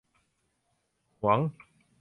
หวง